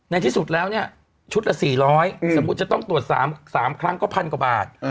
ที่สุดแล้วเนี่ยชุดละ๔๐๐สมมุติจะต้องตรวจ๓ครั้งก็๑๐๐กว่าบาท